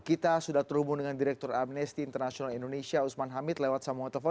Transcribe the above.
kita sudah terhubung dengan direktur amnesty international indonesia usman hamid lewat sambungan telepon